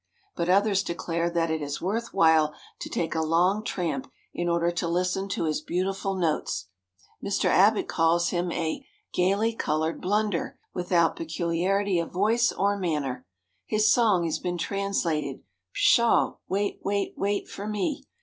But others declare that it is worth while to take a long tramp in order to listen to his beautiful notes. Mr. Abbott calls him a "gayly colored blunder" without peculiarity of voice or manner. His song has been translated "Pshaw—wait—wait—wait for me."